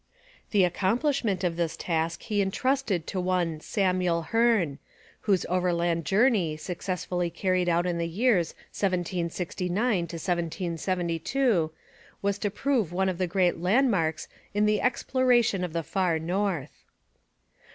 The accomplishment of this task he entrusted to one Samuel Hearne, whose overland journey, successfully carried out in the years 1769 to 1772, was to prove one of the great landmarks in the exploration of the Far North.